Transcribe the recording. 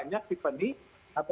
karena mereka akan dikonsumsi